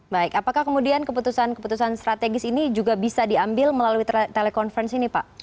baik apakah kemudian keputusan keputusan strategis ini juga bisa diambil melalui telekonferensi ini pak